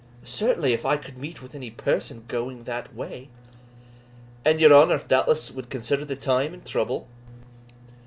"Certainly, if I could meet with any person going that way." "And your honour, doubtless, wad consider the time and trouble?"